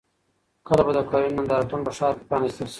کله به د کرنې نندارتون په ښار کې پرانیستل شي؟